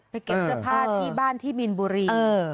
เก็บเสื้อผ้าที่บ้านที่มีนบุรี